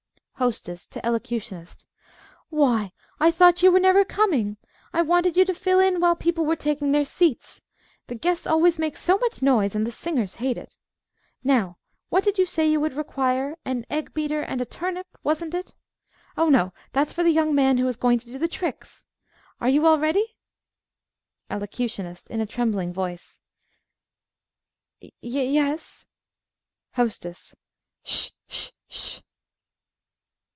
_) HOSTESS (to elocutionist) Why, I thought you were never coming! I wanted you to fill in while people were taking their seats. The guests always make so much noise, and the singers hate it. Now, what did you say you would require an egg beater and a turnip, wasn't it? Oh, no! That's for the young man who is going to do the tricks. I remember. Are you all ready? ELOCUTIONIST (in a trembling voice) Ye es. HOSTESS 'Sh, 'sh, 'sh!